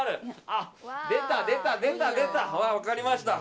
あ、出た出た！